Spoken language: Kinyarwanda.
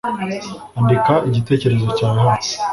andika igitekerezo cyawe hano